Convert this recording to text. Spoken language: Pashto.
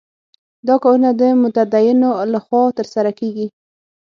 دا کارونه د متدینو له خوا ترسره کېږي.